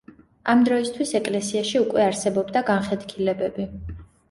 ამ დროისთვის ეკლესიაში უკვე არსებობდა განხეთქილებები.